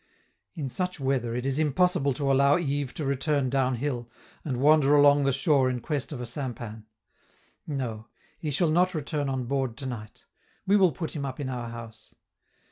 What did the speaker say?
In such weather it is impossible to allow Yves to return down hill, and wander along the shore in quest of a sampan. No, he shall not return on board to night; we will put him up in our house.